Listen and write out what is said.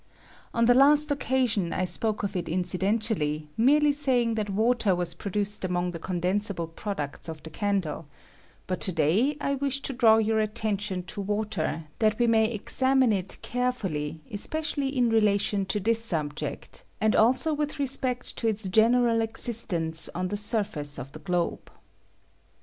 On the last occasion I spoke of it incidentally, merely saying that water was pro duced among the condensable products of the candle ; but to day I wish to draw your atten tion to water, that we may examine it care fully, especially in relation to thia subject, and also with respect to its general existence on the surface of the globe.